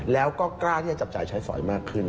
แล้วก็กล้าที่จะจับจ่ายใช้สอยมากขึ้น